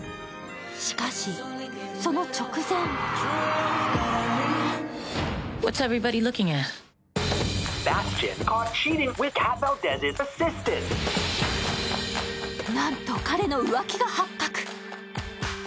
しかし、その直前なんと、彼の浮気が発覚。